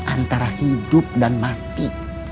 antara hidup dan mati